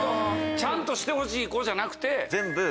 ちゃんとしてほしい子じゃなくて。